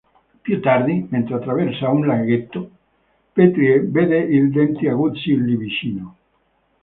Più tardi, mentre attraversa un laghetto, Petrie vede il denti aguzzi lì vicino.